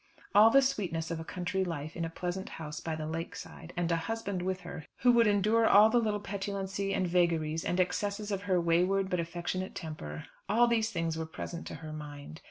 All the sweetness of a country life in a pleasant house by the lake side, and a husband with her who would endure all the little petulancy, and vagaries, and excesses of her wayward but affectionate temper, all these things were present to her mind.